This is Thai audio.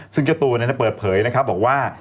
ซึ่งเจ้าตัวเปิดเผยนะครับบอกว่า